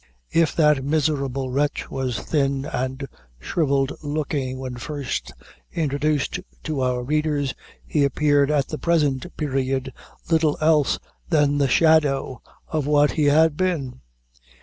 If that miserable wretch was thin and shrivelled looking when first introduced to our readers, he appeared at the present period little else than the shadow of what he had been.